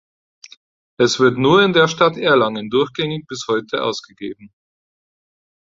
Es wird nur in der Stadt Erlangen durchgängig bis heute ausgegeben.